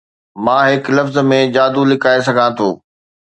مان هڪ لفظ ۾ جادو لڪائي سگهان ٿو